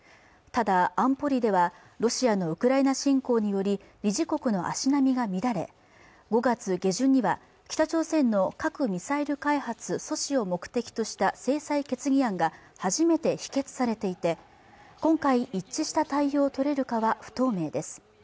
ただ安保理ではロシアのウクライナ侵攻により理事国の足並みが乱れ５月下旬には北朝鮮の核ミサイル開発阻止を目的とした制裁決議案が初めて否決されていて今回一致した対応を取れるかは不透明です